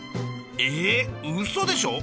えうそでしょ！？